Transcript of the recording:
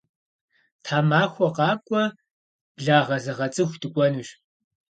Тхьэмахуэ къакӏуэ благъэзэгъэцӏыху дыкӏуэнущ.